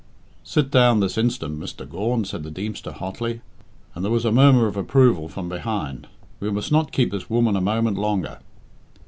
"Sit down this instant, Mr. Gawne," said the Deemster hotly, and there was a murmur of approval from behind. "We must not keep this woman a moment longer."